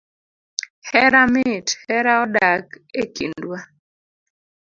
Hera mit, hera odak ekindwa